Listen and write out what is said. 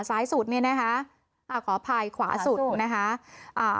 ซ้ายสุดเนี่ยนะคะอ่าขออภัยขวาสุดนะคะอ่า